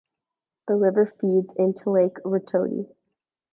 The river feeds into Lake Rotoiti.